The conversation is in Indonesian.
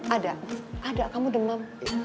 ada ada kamu demam